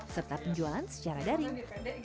serta penjualan secara daring